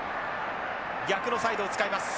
逆のサイドを使います。